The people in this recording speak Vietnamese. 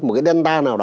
một cái delta nào đó